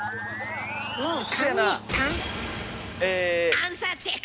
アンサーチェック！